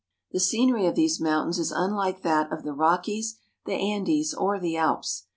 The scenery of these mountains is unlike that of the Rockies, the Andes, or the Alps.